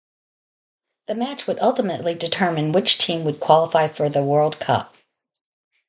The match would ultimately determine which team would qualify for the World Cup.